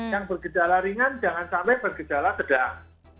yang bergedala ringan jangan sampai bergedala bedah